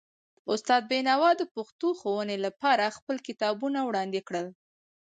استاد بینوا د پښتو ښوونې لپاره خپل کتابونه وړاندې کړل.